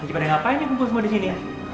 bagaimana ngapain ya kamu semua disini